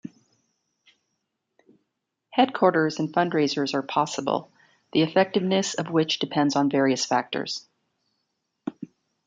Headquarters and fundraisers are possible, the effectiveness of which depends on various factors.